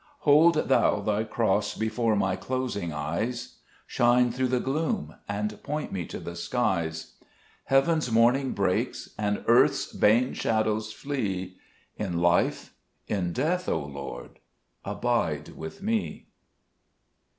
5 Hold Thou Thy cross before my closing eyes ; Shine through the gloom, and point me to the skies : Heaven's morning breaks, and earth's vain shadows flee : In life, in death, O Lord, abide with me.